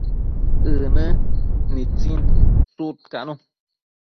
ënë nitsin sudcanun